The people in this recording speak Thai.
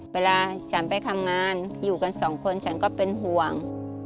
เวลาฉันไปทำงานอยู่กันสองคนฉันก็เป็นห่วง